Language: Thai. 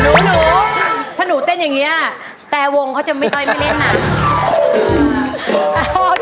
หนูหนูถ้าหนูเต้นอย่างเงี้ยแต่วงเขาจะไม่ต้องไม่เล่นหนัง